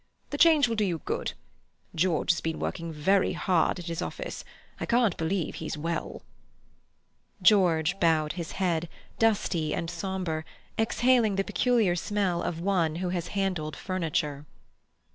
The change will do you good. George has been working very hard at his office. I can't believe he's well." George bowed his head, dusty and sombre, exhaling the peculiar smell of one who has handled furniture.